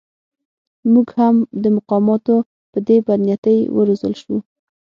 موږ هم د مقاماتو په دې بدنیتۍ و روزل شوو.